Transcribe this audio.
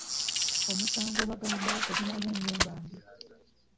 Omusango bagamba tegumanya nnyumba mbi.